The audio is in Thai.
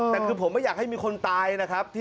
แต่คือผมไม่อยากให้มีคนตายนะครับ